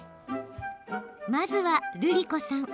まずは、るりこさん。